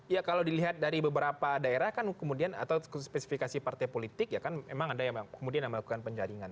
ya kalau dilihat dari beberapa daerah kan kemudian atau spesifikasi partai politik ya kan memang ada yang kemudian melakukan penjaringan